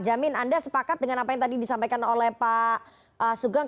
jamin anda sepakat dengan apa yang tadi disampaikan oleh pak sugeng